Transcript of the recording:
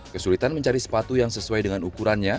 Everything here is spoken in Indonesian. kesulitan mencari sepatu yang sesuai dengan ukurannya